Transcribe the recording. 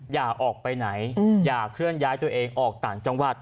อย่าออกไปไหนอย่าเคลื่อนย้ายตัวเองออกต่างจังหวัด